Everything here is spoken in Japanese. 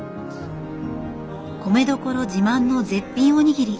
米どころ自慢の絶品おにぎり。